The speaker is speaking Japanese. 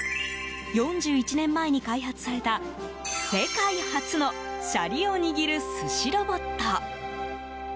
４１年前に開発された、世界初のシャリを握る寿司ロボット。